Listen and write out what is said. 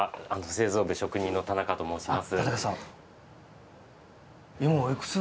職人の田中と申します。